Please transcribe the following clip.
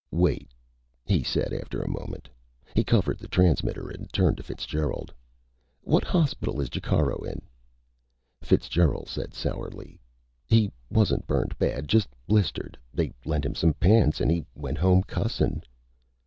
"Wait!" he said after a moment. He covered the transmitter and turned to Fitzgerald. "What hospital is Jacaro in?" Fitzgerald said sourly: "He wasn't burned bad. Just blistered. They lent him some pants and he went home cussing."